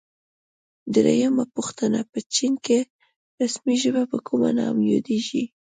درېمه پوښتنه: په چین کې رسمي ژبه په کوم نامه یادیږي؟